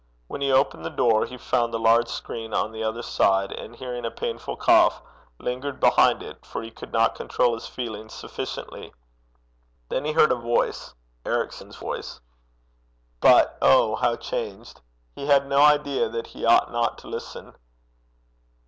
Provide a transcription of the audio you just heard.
When he opened the door, he found the large screen on the other side, and hearing a painful cough, lingered behind it, for he could not control his feelings sufficiently. Then he heard a voice Ericson's voice; but oh, how changed! He had no idea that he ought not to listen.